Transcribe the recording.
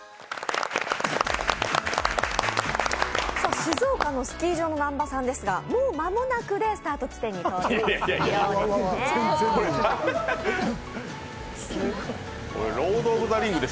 静岡のスキー場の南波さんですが、もう間もなくでスタート地点に到着するようです。